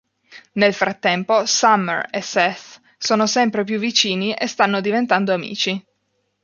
Nel frattempo, Summer e Seth sono sempre più vicini e stanno diventando amici.